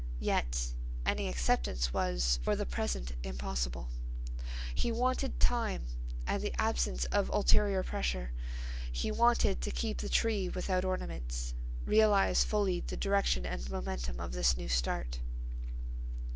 Yet any acceptance was, for the present, impossible. He wanted time and the absence of ulterior pressure. He wanted to keep the tree without ornaments, realize fully the direction and momentum of this new start.